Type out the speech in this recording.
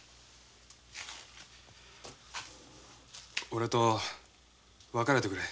オレと別れてくれ！